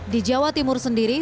di jawa timur sendiri